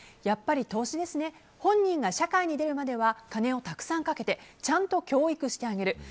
やっぱり投資ですね本人が社会に出るまでは金をたくさんかけてちゃんと教育してあげる。